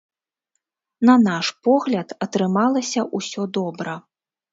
На наш погляд, атрымалася ўсё добра.